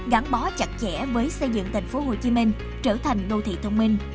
gắn bó chặt chẽ với xây dựng thành phố hồ chí minh trở thành đô thị thông minh